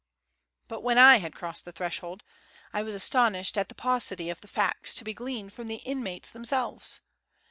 But when I had crossed the threshold, I was astonished at the paucity of facts to be gleaned from the inmates themselves.